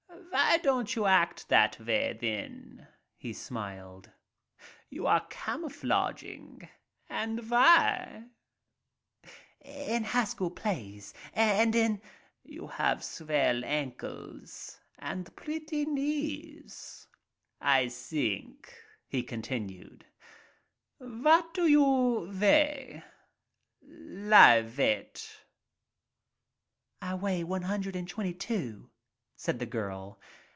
Vy don't you act that way, then," he smiled. You are camouflaging, and vhy?" ^ "In high school plays and in —"}} 7 "You have swell ankles and pretty knees, I think — ".he continued, "Vat do you veigh — live veight?" "I weigh one hundred and twenty two," said the* girl.